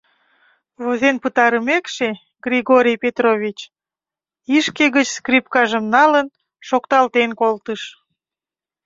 Возен пытарымекше, Григорий Петрович, ишке гыч скрипкажым налын, шокталтен колтыш.